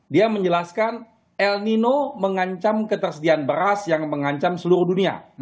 dia menjelaskan el nino mengancam ketersediaan beras yang mengancam seluruh dunia